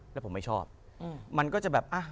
แล้วผมไม่ชอบมันก็จะแบบอ่ะ